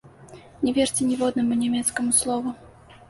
Не верце ніводнаму нямецкаму слову!